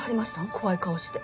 怖い顔して。